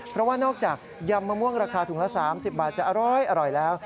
เพราะว่านอกจากยำมะม่วงราคาถุงละ๓๐บาทจะอร้อยแล้ว